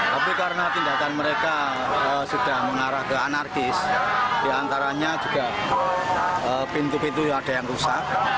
tapi karena tindakan mereka sudah mengarah ke anarkis diantaranya juga pintu pintu ada yang rusak